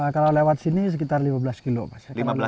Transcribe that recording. kalau lewat sini sekitar lima belas kilometer